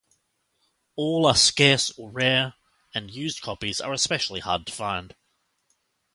All are scarce or rare, and used copies are especially hard to find.